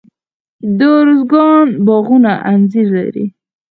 د ارزګان باغونه انځر لري.